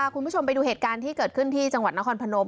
คุณผู้ชมไปดูเหตุการณ์ที่เกิดขึ้นที่จังหวัดนครพนม